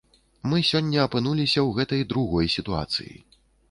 Мы сёння апынуліся ў гэтай другой сітуацыі.